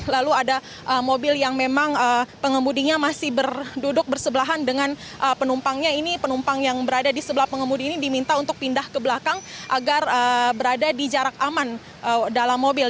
lalu ada mobil yang memang pengemudinya masih berduduk bersebelahan dengan penumpangnya ini penumpang yang berada di sebelah pengemudi ini diminta untuk pindah ke belakang agar berada di jarak aman dalam mobil